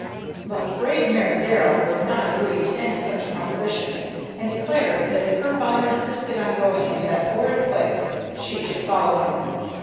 But brave Mary Darrell would not agree to any such proposition, and declared that if her father insisted on going into that horrid place she should follow him.